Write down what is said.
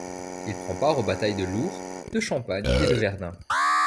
Il prend part aux batailles de l'Ourcq, de Champagne et de Verdun.